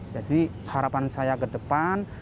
jadi harapan saya ke depan